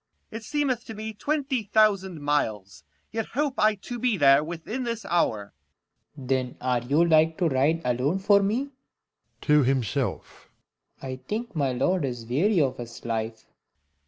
It seemeth to me twenty thousand miles : Yet hope I to be there within this hour. Serv. Then are you like to ride alone for me. [To himself. 5 I think my lord is weary of his life.